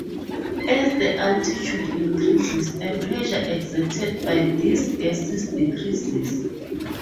As the altitude increases, the pressure exerted by these gases decreases.